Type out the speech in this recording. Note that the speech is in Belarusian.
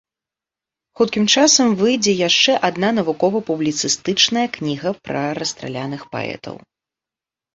Хуткі часам выйдзе яшчэ адна навукова-публіцыстычная кніга пра расстраляных паэтаў.